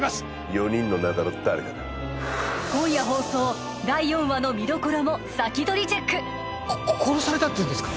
４人の中の誰かだ今夜放送第４話の見どころも先取りチェックこ殺されたっていうんですか？